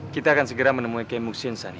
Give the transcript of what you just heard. kita akan segera menemui kem vaccine tani